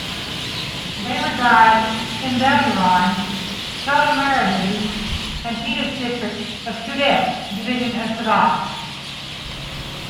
They reside in Beluran, Kota Marudu, and Pitas districts of Kudat Division of Sabah.